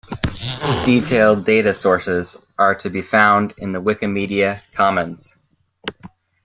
Detailed data sources are to be found in the Wikimedia Commons.